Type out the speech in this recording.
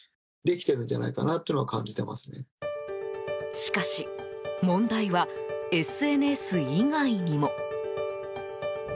しかし、問題はＳＮＳ以外にも。